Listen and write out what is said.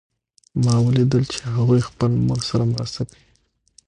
ما ولیدل چې هغوی خپل مور سره مرسته کوي